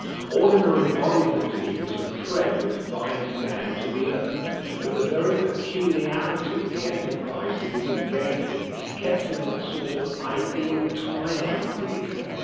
Ordinary bodily fatigue is a thread which binds man to the earth; but the very peculiarity of the enterprise he was engaged in kept him in a sort of ideal twilight region.